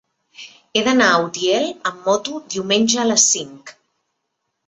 He d'anar a Utiel amb moto diumenge a les cinc.